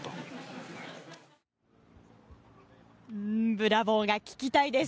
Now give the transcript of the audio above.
ブラボーが聞きたいです。